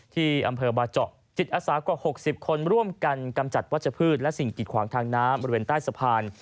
ที่อำเภอบาเจาะจิตอาสากว่า๖๐คนร่วมกันกำจัดวัชพืชและสิ่งกิดขวางทางน้ำบริเวณใต้สะพาน